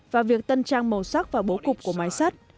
và việc tân trang màu sắc và bố cục của máy sắt